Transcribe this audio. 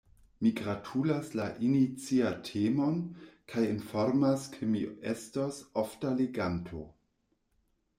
Mi gratulas la iniciatemon, kaj informas ke mi estos ofta leganto.